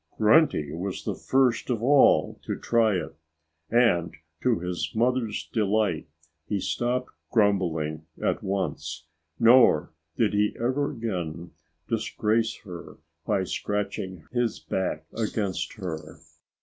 Grunty was the first of all to try it. And to his mother's delight, he stopped grumbling at once. Nor did he ever again disgrace her by scratching his back against her.